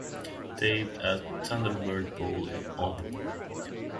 Taped at Thunderbird Bowl in Auburn.